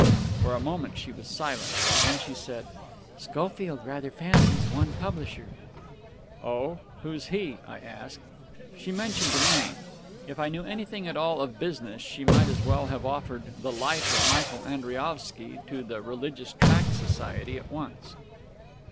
For a moment she was silent. Then she said: "Schofield rather fancies one publisher." "Oh? Who's he?" I asked. She mentioned a name. If I knew anything at all of business she might as well have offered The Life of Michael Andriaovsky to The Religious Tract Society at once....